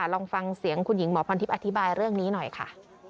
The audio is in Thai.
ลองฟังเสียงคุณหญิงหมอพรทิพย์อธิบายเรื่องนี้หน่อยค่ะ